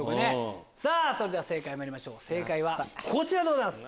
それでは正解まいりましょう正解はこちらでございます。